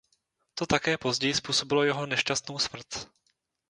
To také později způsobilo jeho nešťastnou smrt.